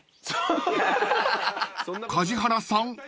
［梶原さん